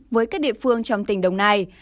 với các địa phương trong tỉnh đồng nai